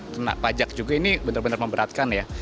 kena pajak juga ini benar benar memberatkan ya